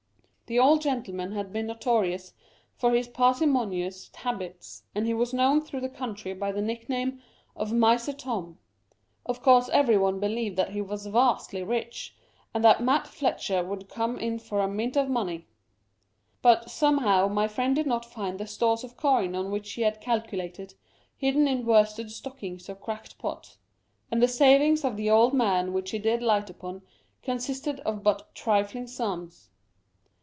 The old gentleman had been notorious for his parsimonious habits, and he was known through the county by the nickname of Miser Tom. Of course every one believed that he was vastly rich, and that Mat Fletcher would come in for a mint of money. But, somehow, my friend did not find the stores of coin on which he had calculated, hidden in worsted stockings or cracked pots ; and the savings of the old man which he did light upon consisted of but trifling sums.